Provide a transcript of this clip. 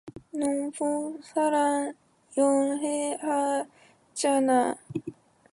넌 변호사랑 연애하잖아.